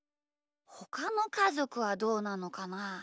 ほかのかぞくはどうなのかな？